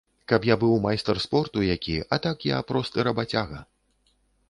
Каб я быў майстар спорту які, а так я просты рабацяга.